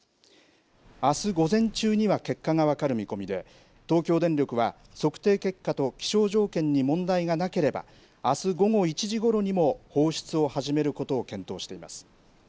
あす午前中には結果が分かる見込みで、東京電力は、測定結果と気象条件に問題がなければ、あす午後１時ごろにも放出を始めることを検討しています。